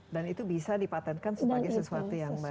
dan itu bisa dipatentkan sebagai sesuatu yang baik